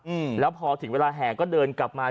อืมแล้วพอถึงเวลาแห่ก็เดินกลับมา